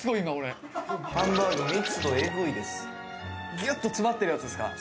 ハンバーグ密度エグいですギュッと詰まってるやつですか？